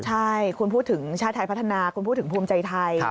ใช่คุณพูดถึงชาติไทยพัฒนาคุณพูดถึงภูมิใจไทย